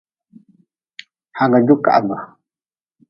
Hagjujkahbe.